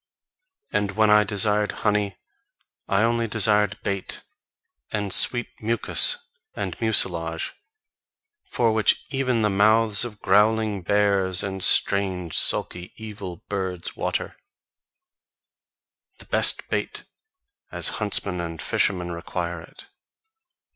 And when I desired honey I only desired bait, and sweet mucus and mucilage, for which even the mouths of growling bears, and strange, sulky, evil birds, water: The best bait, as huntsmen and fishermen require it.